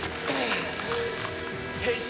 変身！